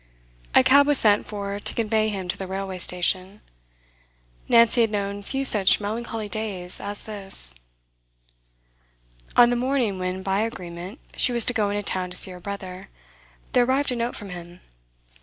A cab was sent for to convey him to the railway station. Nancy had known few such melancholy days as this. On the morning when, by agreement, she was to go into town to see her brother, there arrived a note from him.